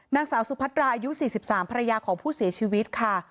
นางสาวสุพัตราอายุ๔๓ภรรยาของผู้เสียชีวิตค่ะ